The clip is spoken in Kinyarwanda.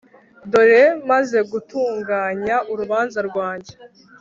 dore maze gutunganya urubanza rwanjye